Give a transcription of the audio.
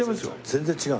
全然違う？